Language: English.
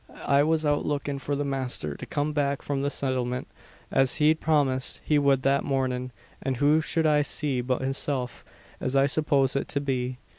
I was out lookin' for the masther to come back from the Sittlement, as he'd promised he wud that mornin', an who showld I see but hisself, as I supposed it to be.